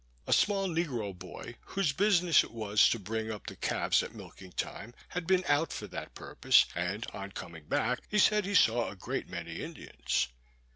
A small negro boy, whose business it was to bring up the calves at milking time, had been out for that purpose, and on coming back, he said he saw a great many Indians.